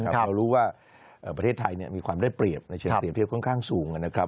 เรารู้ว่าประเทศไทยมีความได้เปรียบในเชิงเปรียบเทียบค่อนข้างสูงนะครับ